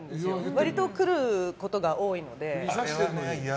割と来ることが多いので。